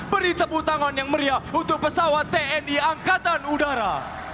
beri tepuk tangan yang meriah untuk pesawat tni angkatan udara